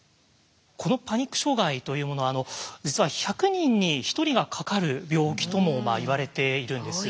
このパニック障害というものは実は１００人に１人がかかる病気ともいわれているんですよね。